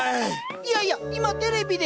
いやいや今テレビで。